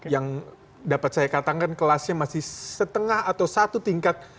yang dapat saya katakan kelasnya masih setengah atau satu tingkat